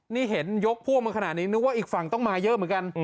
นี่เห็นยกพวกมาขนาดนี้นึกว่าอีกฝั่งต้องมาเยอะเหมือนกัน